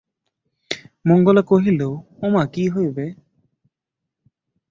মঙ্গলা কহিল, ও মা কী হইবে।